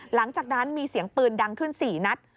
หลังจากนั้นมีเสียงปืนดังขึ้น๔นัด